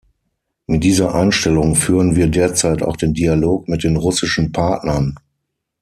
Mit dieser Einstellung führen wir derzeit auch den Dialog mit den russischen Partnern.